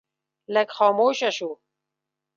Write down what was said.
لږ خاموشه شو.